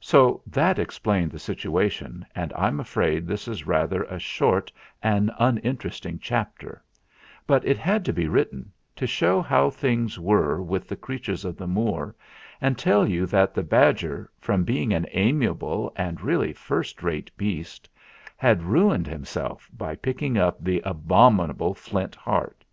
So that explained the situation, and I'm afraid this is rather a short and uninteresting chapter ; but it had to be written to show how things were with the creatures of the Moor and tell you that the badger, from being an amiable and really first rate beast, had ruined himself by picking up the abominable Flint Heart.